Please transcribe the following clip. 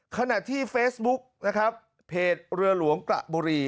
ขณะที่เฟซบุ๊กนะครับเพจเรือหลวงกระบุรี